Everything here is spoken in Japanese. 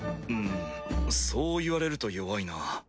うんそう言われると弱いな。